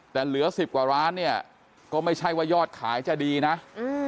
แต่เหลือสิบกว่าร้านเนี่ยก็ไม่ใช่ว่ายอดขายจะดีนะอืม